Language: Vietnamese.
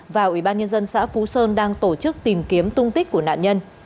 và ủy ban nhân dân xã phú sơn đang tổ chức tìm kiếm tung tích của nạn nhân